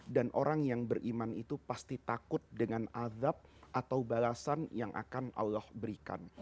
dan orang yang beriman itu pasti takut dengan azab atau balasan yang akan allah berikan